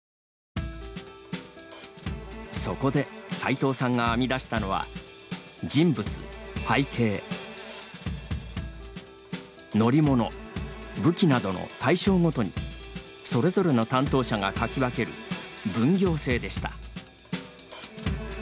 そこでさいとうさんが編み出したのは人物、背景乗り物、武器などの対象ごとにそれぞれの担当者がかき分ける分業制でした。